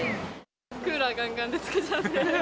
クーラーがんがんでつけちゃって。